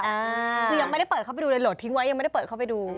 คือยังไม่ได้เปิดเข้าไปดูเลยโหลดทิ้งไว้ยังไม่ได้เปิดเข้าไปดู